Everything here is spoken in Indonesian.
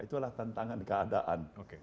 itulah tantangan keadaan